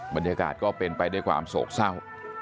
บรรยากาศก็เป็นไปด้วยความโศกเศร้า